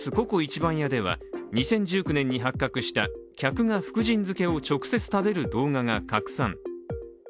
番屋では２０１９年に発覚した客が福神漬を直接食べる動画が拡散。